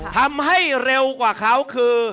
ทำให้เร็วกว่าเขาคือ